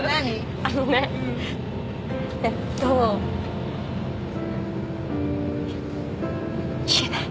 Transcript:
あのねえっと言えない